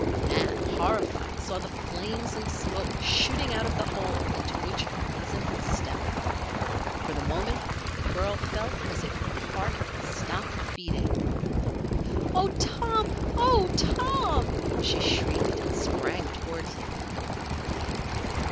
Nan, horrified, saw the flames and smoke shooting out of the hole into which her cousin had stepped. For the moment the girl felt as if her heart had stopped beating. "Oh, Tom! Oh, Tom!" she shrieked, and sprang toward him.